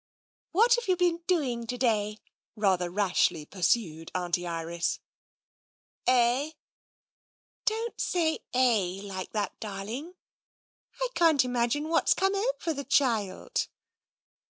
" What have you been doing to day ?" rather rashly pursued Auntie Iris. "Eh?" " Don't say * eh ' like that, darling. I can't imagine what's come over the child."